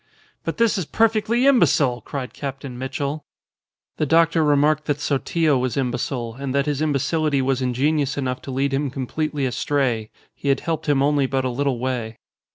'" "But this is perfectly imbecile!" cried Captain Mitchell. The doctor remarked that Sotillo was imbecile, and that his imbecility was ingenious enough to lead him completely astray. He had helped him only but a little way.